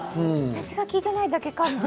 私が聞いてないだけかな？